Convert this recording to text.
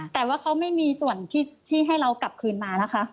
แต่ว่าเขาไม่มีส่วนที่ให้เรากลับคืนมานะคะ